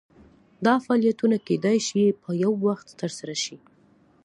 دا فعالیتونه کیدای شي په یو وخت ترسره شي.